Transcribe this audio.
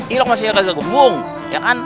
ini lo masih gagal gembung ya kan